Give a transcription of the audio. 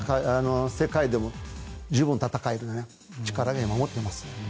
世界でも十分戦える力を持っています。